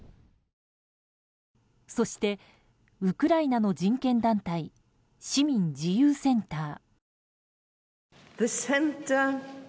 そしてウクライナの人権団体市民自由センター。